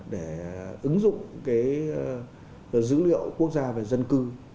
để ứng dụng dữ liệu quốc gia về dân cư